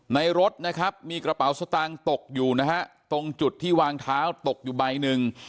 รถนะครับมีกระเป๋าสตางค์ตกอยู่นะฮะตรงจุดที่วางเท้าตกอยู่ใบหนึ่ง